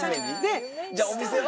じゃあお店は？